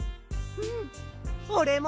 うん！